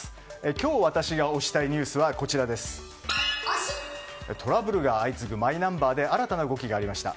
今日、私が推したいニュースはトラブルが相次ぐマイナンバーで新たな動きがありました。